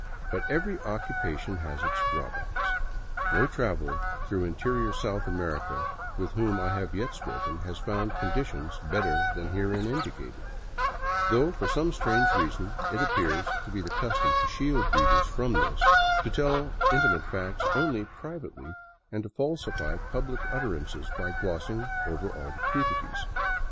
But every occupation has its draw backs. No traveler through interior South America with whom I have yet spoken has found conditions better than herein indicated; though for some strange reason it appears to be the custom to shield readers from this, to tell intimate facts only privately and to falsify public utterances by glossing over all the crudities.